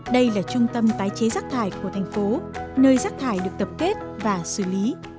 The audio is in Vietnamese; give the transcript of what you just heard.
đây là trung tâm tái chế rác thải của thành phố nơi rác thải được tập kết và xử lý